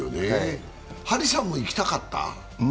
張さんも行きたかった？